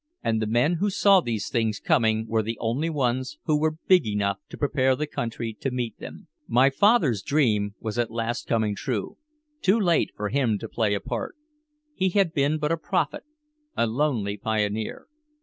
And the men who saw these things coming were the only ones who were big enough to prepare the country to meet them. My father's dream was at last coming true too late for him to play a part. He had been but a prophet, a lonely pioneer.